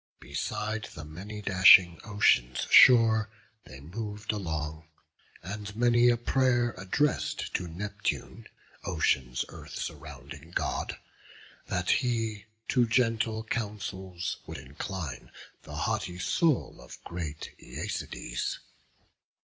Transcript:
Beside the many dashing ocean's shore They mov'd along; and many a pray'r address'd To Neptune, Ocean's Earth surrounding God, That he to gentle counsels would incline The haughty soul of great Æacides.